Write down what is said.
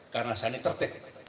karena saya ini tertek